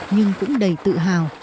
nhưng cũng đầy tự hào